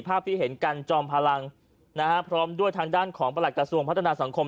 ภาพที่เห็นกันจอมพลังนะฮะพร้อมด้วยทางด้านของประหลักกระทรวงพัฒนาสังคม